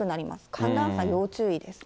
寒暖差注意ですね。